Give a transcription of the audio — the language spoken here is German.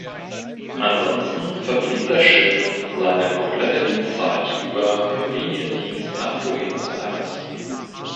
Ansonsten verblieb das Schiff seine komplette Dienstzeit über im Liniendienst nach Buenos Aires.